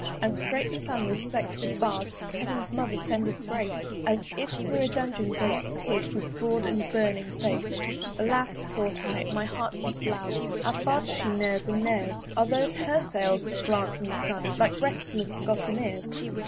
And strait the Sun was fleck'd with bars (Heaven's mother send us grace) As if thro' a dungeon grate he peer'd With broad and burning face. Alas! (thought I, and my heart beat loud) How fast she neres and neres! Are those her Sails that glance in the Sun Like restless gossameres?